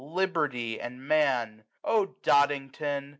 Liberty, and Man : O DoDiNGTON